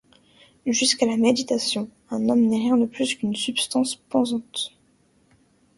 Jusqu'à la méditation, un homme n'est rien de plus qu'une substance pensante.